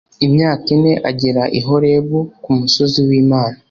Imyaka ine agera i Horebu ku musozi w Imana.